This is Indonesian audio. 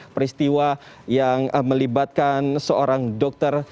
peristiwa yang melibatkan seorang dokter